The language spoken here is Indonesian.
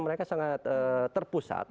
mereka sangat terpusat